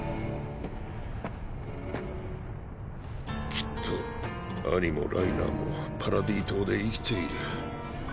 きっとアニもライナーもパラディ島で生きている。